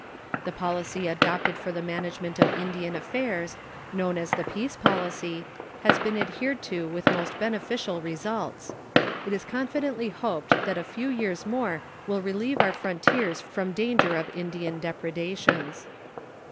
The policy adopted for the management of Indian affairs, known as the peace policy, has been adhered to with most beneficial results. It is confidently hoped that a few years more will relieve our frontiers from danger of Indian depredations.